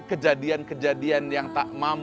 kejadian kejadian yang tak ada keberhasilan